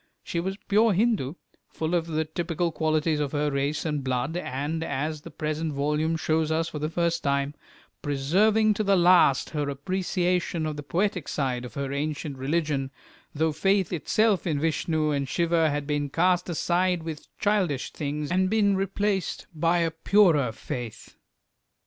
She was pure Hindu, full of the typical qualities of her race and blood, and, as the present volume shows us for the first time, preserving to the last her appreciation of the poetic side of her ancient religion, though faith itself in Vishnu and Siva had been cast aside with childish things and been replaced by a purer faith.